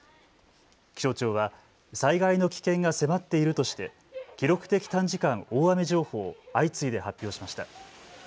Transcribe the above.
気象庁は災害の危険が迫っているとして記録的短時間大雨情報を相次いで発表しました。